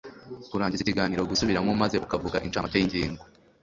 kurangiza ikiganiro gusubiramo maze ukavuga incamake y ingingo